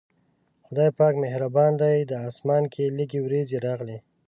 خدای پاک مهربانه دی، اسمان کې لږې وريځې راغلې.